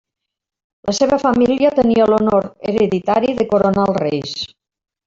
La seva família tenia l'honor hereditari de coronar als reis.